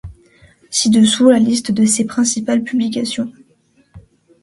Ci-dessous la liste de ses principales publications.